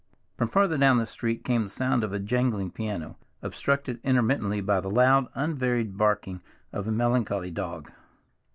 From farther down the street came the sound of a jangling piano, obstructed intermittently by the loud, unvaried barking of a melancholy dog.